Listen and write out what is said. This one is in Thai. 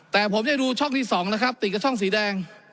แต่ผมได้ดูช่องที่๒นะครับติดกับช่องสีแดง